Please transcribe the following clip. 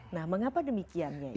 nah mengapa demikiannya